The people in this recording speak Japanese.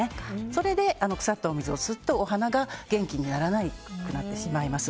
それで、腐ったお水を吸ってお花が元気にならなくなってしまいます。